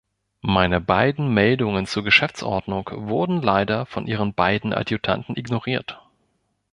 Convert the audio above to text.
Meine beiden Meldungen zur Geschäftsordnung wurden leider von Ihren beiden Adjutanten ignoriert.